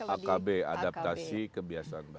akb adaptasi kebiasaan baru